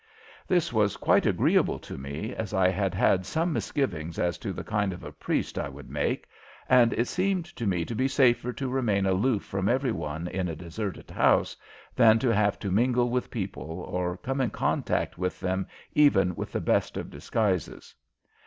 This was quite agreeable to me, as I had had some misgivings as to the kind of a priest I would make, and it seemed to me to be safer to remain aloof from every one in a deserted house than to have to mingle with people or come in contact with them even with the best of disguises.